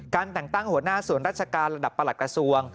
แต่งตั้งหัวหน้าส่วนราชการระดับประหลัดกระทรวง